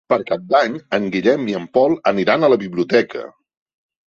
Per Cap d'Any en Guillem i en Pol aniran a la biblioteca.